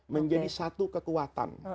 menjadi satu kekuatan